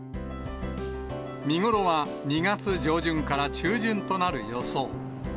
見頃は２月上旬から中旬となる予想。